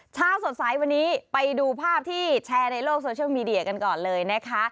เช้าสดใสวันนี้ไปดูภาพที่แชร์ในโลกโซเชียลมีเดียกันก่อนเลยนะคะ